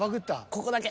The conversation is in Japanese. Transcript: ここだけ。